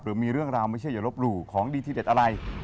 หรือมีเรื่องราวไม่ใช่อย่าลบหลู่ของดีที่เด็ดอะไร